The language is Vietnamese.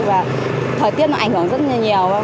và thời tiết nó ảnh hưởng rất là nhiều